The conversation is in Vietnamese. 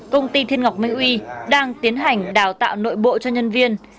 công ty thiên ngọc minh uy đang tiến hành đào tạo nội bộ cho nhân viên